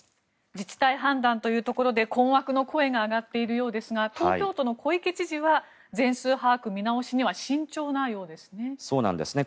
自治体判断というところで困惑の声が上がっているようですが東京都の小池知事は全数把握見直しには慎重なようですね。